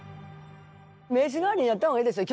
名刺代わりにやった方がいいですよね